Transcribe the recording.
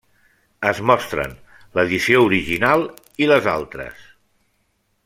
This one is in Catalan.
Es mostren l'edició original, i les altres.